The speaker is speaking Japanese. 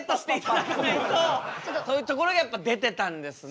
というところがやっぱ出てたんですね。